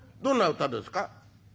どんな歌ですか？」。